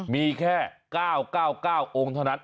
มีแค่๙๙๙องค์เท่านั้น